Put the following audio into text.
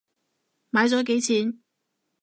買咗幾錢？